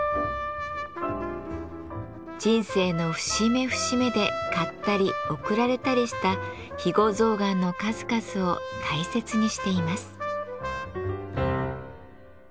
人生の節目節目で買ったり贈られたりした肥後象がんの数々を大切にしています。